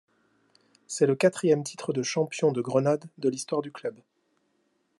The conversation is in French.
C'est le quatrième titre de champion de Grenade de l'histoire du club.